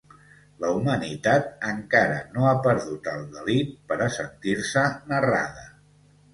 La humanitat encara no ha perdut el delit per a sentir-se narrada.